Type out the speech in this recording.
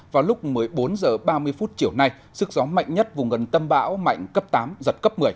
vào lúc một mươi bốn h ba mươi phút chiều nay sức gió mạnh nhất vùng gần tâm bão mạnh cấp tám giật cấp một mươi